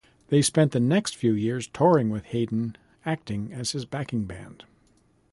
They spent the next few years touring with Hayden, acting as his backing band.